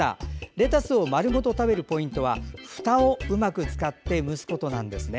レタスを丸ごと食べるポイントはふたをうまく使って蒸すことなんですね。